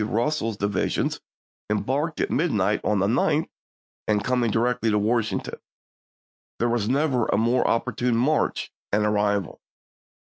Russell's divisions, embarking at midnight of the 9th and coming directly to Washington. There was never a more opportune march and arrival.